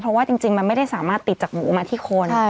เพราะว่าจริงมันไม่ได้สามารถติดจากหมูมาที่คน